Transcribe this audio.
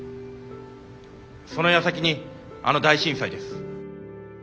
そのやさきにあの大震災です。